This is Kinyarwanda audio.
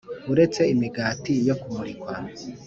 Uretse Imigati Yo Kumurikwa